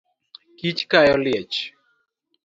Kich kayo liech